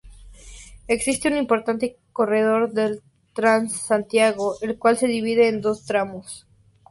Existe un importante corredor del Transantiago, el cual se divide en dos tramos.